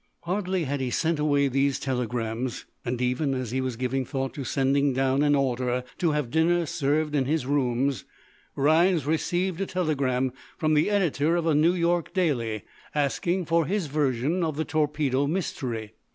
Hardly had he sent away these telegrams, and even as he was giving thought to sending down an order to have dinner served in his rooms, Rhinds received a telegram from the editor of a New York daily, asking for his version of the torpedo mystery.